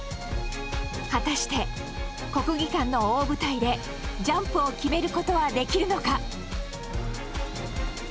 果たして国技館の大舞台でジャンプを決めることはできるのか？